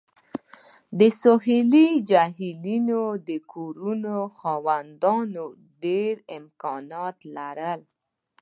د سویلي جهیلونو د کورونو خاوندان ډیر امکانات لري